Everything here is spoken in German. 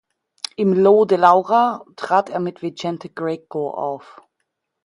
Im "Lo de Laura" trat er mit Vicente Greco auf.